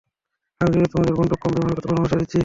আমি শুধু তোমাদের বন্দুক কম ব্যবহার করার পরামর্শ দিচ্ছি।